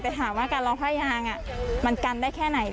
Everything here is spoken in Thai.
แต่ถามว่าการรอผ้ายางมันกันได้แค่ไหน